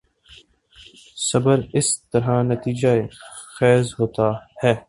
صبر اسی طرح نتیجہ خیز ہوتا ہے۔